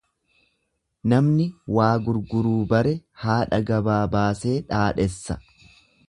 Namni waa gurguruu bare haadha gabaa baasee dhaadhessa.